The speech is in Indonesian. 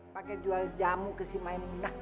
pake jual jamu kesi main muna